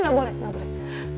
gak boleh gak boleh